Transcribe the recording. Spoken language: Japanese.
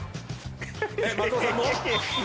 松尾さんも？